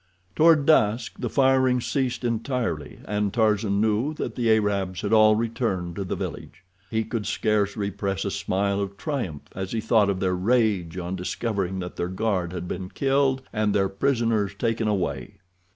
Toward dusk the firing ceased entirely, and Tarzan knew that the Arabs had all returned to the village. He could scarce repress a smile of triumph as he thought of their rage on discovering that their guard had been killed and their prisoners taken away.